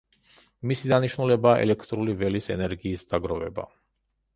მისი დანიშნულებაა ელექტრული ველის ენერგიის დაგროვება.